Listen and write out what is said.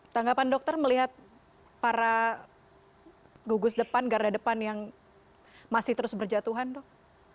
tanggapan dokter melihat para gugus depan garda depan yang masih terus berjatuhan dok